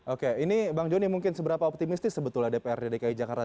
oke ini bang joni mungkin seberapa optimistis sebetulnya dprd dki jakarta